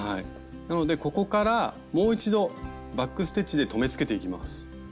なのでここからもう一度バック・ステッチで留めつけていきます。